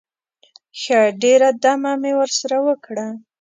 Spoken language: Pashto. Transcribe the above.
ښه ډېره دمه مې ورسره وکړه.